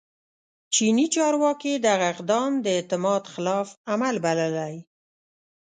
چیني چارواکي دغه اقدام د اعتماد خلاف عمل بللی